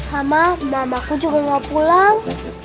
sama mama aku juga enggak pulang